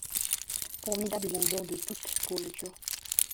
Formidable mangeur de toute pourriture